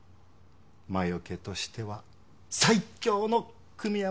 魔除けとしては最強の組み合わせです。